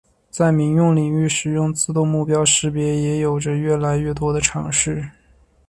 在民用领域使用自动目标识别也有着越来越多的尝试。